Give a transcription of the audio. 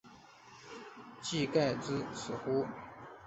技盖至此乎？